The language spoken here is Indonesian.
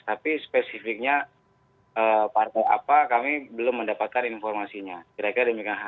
tapi spesifiknya partai apa